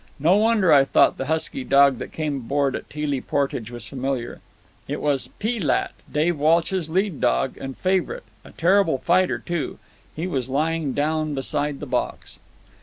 No wonder I thought the husky dog that came aboard at Teelee Portage was familiar. It was Pee lat, Dave Walsh's lead dog and favourite—a terrible fighter, too. He was lying down beside the box.